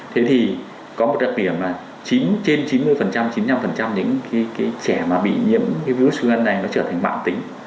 thế thì có một đặc biệt là trên chín mươi chín mươi năm những trẻ bị nhiễm virus xương gan này trở thành mạng tính